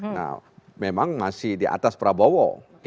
nah memang masih di atas prabowo